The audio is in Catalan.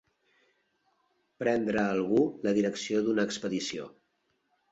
Prendre algú la direcció d'una expedició.